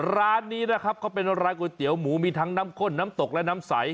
ร้านนี้นะครับเขาเป็นร้านก๋วยเตี๋ยวหมูมีทั้งน้ำข้นน้ำตกและน้ำใส